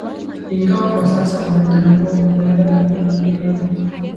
ingawa kwa sasa wametambua madhara ya mila hizo